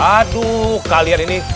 aduh kalian ini